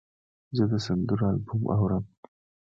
زه د سندرو البوم اورم.